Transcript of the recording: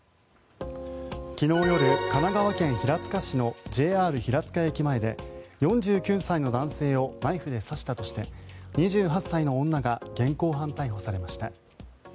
昨日夜、神奈川県平塚市のＪＲ平塚駅前で４９歳の男性をナイフで刺したとして２８歳の女が現行犯逮捕されました。